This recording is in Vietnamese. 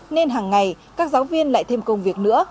nên hàng ngày các giáo viên lại thêm công việc nữa